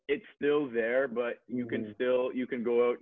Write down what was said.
itu masih ada tapi kamu masih bisa keluar